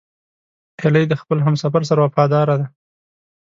هیلۍ د خپل همسفر سره وفاداره ده